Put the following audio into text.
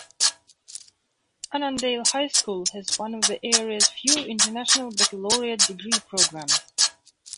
Annandale High School has one of the area's few International Baccalaureate Degree programs.